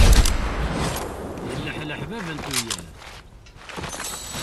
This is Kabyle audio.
Yelleḥleḥ bab n tuyat.